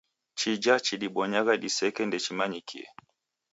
Chija chidibonyagha diseke ndechimanyikie.